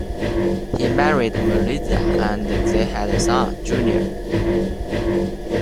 He married Melissa and they had a son, Junior.